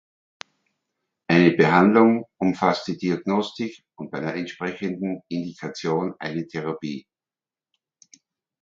Eine Behandlung umfasst die Diagnostik und bei einer entsprechenden Indikation eine Therapie.